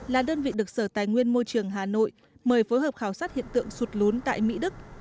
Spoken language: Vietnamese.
là đơn vị được sở tài nguyên môi trường hà nội mời phối hợp khảo sát hiện tượng sụt lún tại mỹ đức